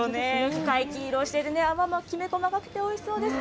深い金色をしている、泡もきめ細かくておいしそうです。